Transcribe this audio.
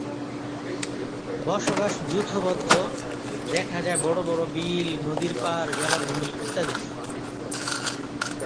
বসবাস যূথবদ্ধ, দেখা যায় বড় বড় বিল, নদীর পাড়, জলাভূমি, ইত্যাদিতে।